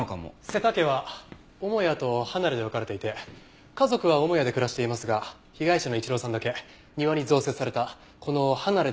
瀬田家は母屋と離れで分かれていて家族は母屋で暮らしていますが被害者の一郎さんだけ庭に増設されたこの離れで暮らしていたそうです。